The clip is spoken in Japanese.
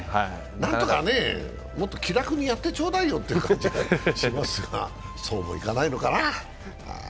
なんとかもっと気楽にやってちょうだいよという気もしますがそうもいかないのかな。